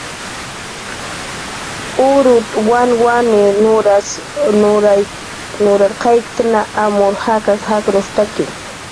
"Urut"" wanwanit"" nuras nurarqayktna, amur jakas jaqnushtaki"